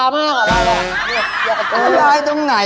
สุดดีครับ